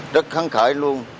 rất khẳng khởi luôn